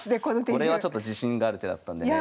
これはちょっと自信がある手だったんでね。